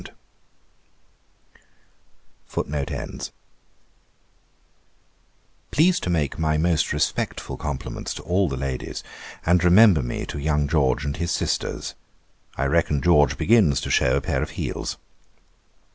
] 'Please to make my most respectful compliments to all the ladies, and remember me to young George and his sisters. I reckon George begins to shew a pair of heels.